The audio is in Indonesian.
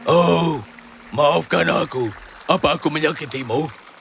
oh maafkan aku apa aku menyakitimu